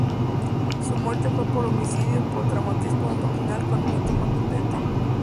Su muerte fue por homicidio por traumatismo abdominal con objeto contundente.